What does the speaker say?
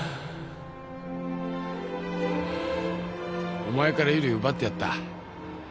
お前から由理を奪ってやった。